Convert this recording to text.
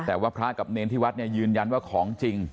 แต่ว่าพระกับเนรที่วัดเนี่ยยืนยันว่าของจริง